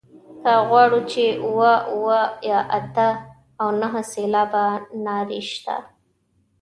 که وغواړو چې اووه اووه یا اته او نهه سېلابه نارې شته.